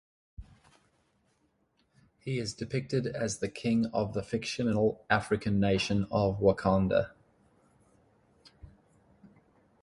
He is depicted as the king of the fictional African nation of Wakanda.